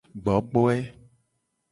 Gbogboe.